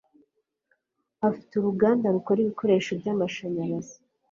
Afite uruganda rukora ibikoresho byamashanyarazi.